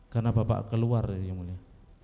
karena bapak keluar yang mulia